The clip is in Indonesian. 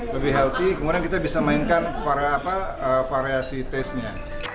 lebih healthy kemudian kita bisa mainkan variasi taste nya